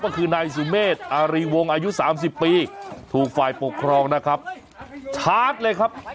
ก็คือนายสุเมษอารีวงอายุสามสิบปีถูกฝ่ายปกครองนะครับชาร์จเลยครับ